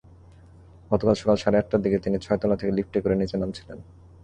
গতকাল সকাল সাড়ে আটটার দিকে তিনি ছয়তলা থেকে লিফটে করে নিচে নামছিলেন।